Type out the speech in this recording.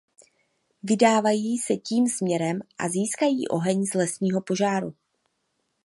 Vydávají se tím směrem a získají oheň z lesního požáru.